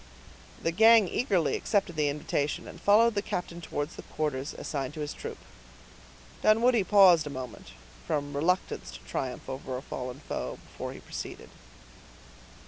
The gang eagerly accepted the invitation, and followed the captain towards the quarters assigned to his troop. Dunwoodie paused a moment, from reluctance to triumph over a fallen foe, before he proceeded.